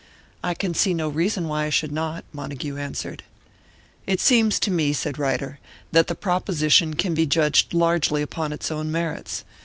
"I can see no reason why I should not," Montague answered. "It seems to me," said Ryder, "that the proposition can be judged largely upon its own merits.